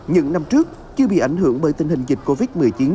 những năm trước chưa bị ảnh hưởng bởi tình hình dịch covid một mươi chín